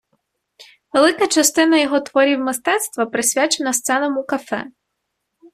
Велика частина його творів мистецтва присвячена сценам у кафе.